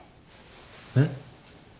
えっ？